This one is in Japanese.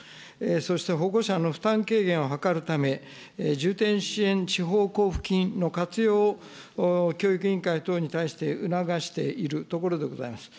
そして保護者の負担軽減を図るため、重点支援地方交付金の活用を教育委員会等に対して促しているところでございます。